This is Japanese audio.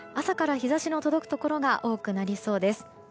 朝から日差しの届くところが多くなりそうです。